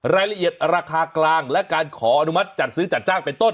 รายละเอียดราคากลางและการขออนุมัติจัดซื้อจัดจ้างเป็นต้น